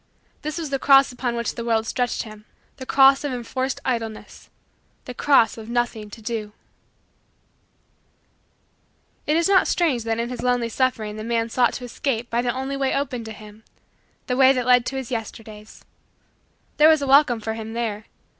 This was the cross upon which the world stretched him the cross of enforced idleness the cross of nothing to do. It is not strange that in his lonely suffering the man sought to escape by the only way open to him the way that led to his Yesterdays. There was a welcome for him there.